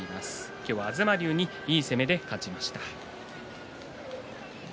今日は東龍にいい攻めで勝ちました。